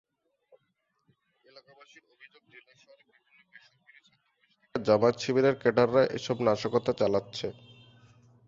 এলাকাবাসীর অভিযোগ, জেলা শহরের বিভিন্ন বেসরকারি ছাত্রাবাসে থেকে জামায়াত-শিবিরের ক্যাডাররা এসব নাশকতা চালাচ্ছে।